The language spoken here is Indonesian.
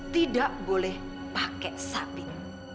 tidak boleh pakai sabit